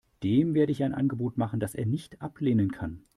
Dem werde ich ein Angebot machen, das er nicht ablehnen kann.